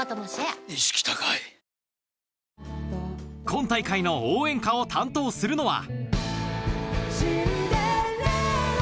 今大会の応援歌を担当するのは。